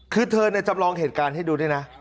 คือเธอจำลองเหตุการณ์ให้ดูด้วยนะ